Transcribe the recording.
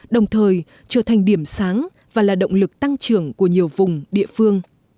đồng thời trở thành điểm sáng và là động lực tăng trưởng của nhiều vùng địa phương